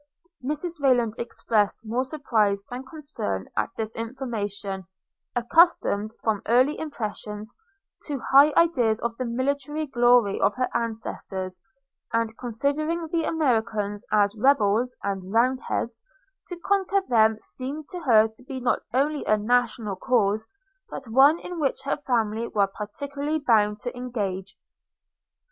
Mrs Rayland expressed more surprise than concern at this information: accustomed, from early impressions, to high ideas of the military glory of her ancestors, and considering the Americans as rebels and round heads, to conquer them seemed to her to be not only a national cause, but one in which her family were particularly bound to engage.